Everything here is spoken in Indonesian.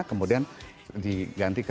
kemudian diganti ke